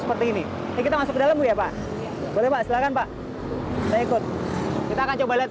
seperti ini kita masuk ke dalam ya pak boleh pak silakan pak saya ikut kita akan coba lihat